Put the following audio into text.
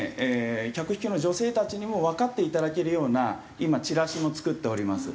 客引きの女性たちにもわかっていただけるような今チラシも作っております。